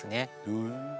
へえ。